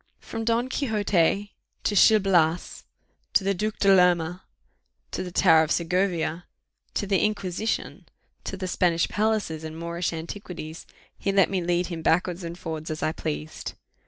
From Don Quixote to Gil Blas to the Duc de Lerma to the tower of Segovia to the Inquisition to the Spanish palaces and Moorish antiquities, he let me lead him backwards and forwards as I pleased.